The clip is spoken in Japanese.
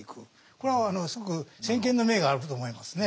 これはすごく先見の明があると思いますね。